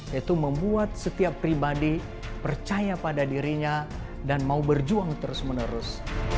yaitu membuat setiap pribadi percaya pada dirinya dan mau berjuang terus menerus